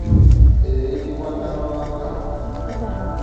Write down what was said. Eyo eyitibwa nalwanga.